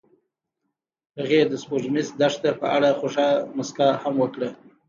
هغې د سپوږمیز دښته په اړه خوږه موسکا هم وکړه.